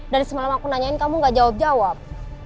dari semalam aku nanyain kamu gak jawab jawab